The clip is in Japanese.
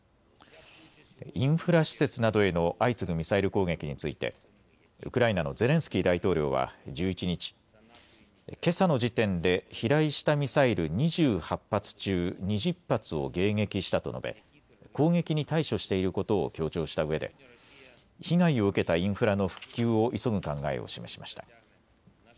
インフラ施設などへの相次ぐミサイル攻撃についてウクライナのゼレンスキー大統領は１１日、けさの時点で飛来したミサイル２８発中、２０発を迎撃したと述べ攻撃に対処していることを強調したうえで被害を受けたインフラの復旧を急ぐ考えを示しました。